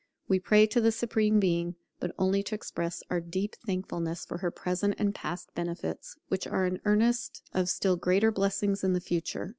We pray to the Supreme Being; but only to express our deep thankfulness for her present and past benefits, which are an earnest of still greater blessings in the future.